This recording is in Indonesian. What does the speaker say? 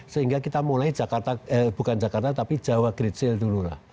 sehingga kita mulai jakarta bukan jakarta tapi jawa great sale dulu lah